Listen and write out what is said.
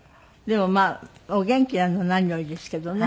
でもまあお元気なのは何よりですけどね。